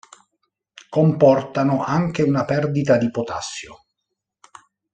Comportano anche una perdita di potassio.